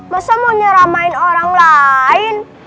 masa mau nyeramain orang lain